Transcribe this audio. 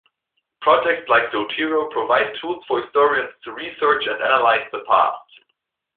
Projects like Zotero provide tools for historians to research and analyze the past.